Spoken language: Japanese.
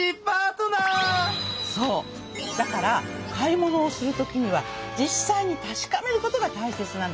だから買い物をするときには実際に確かめることがたいせつなのね。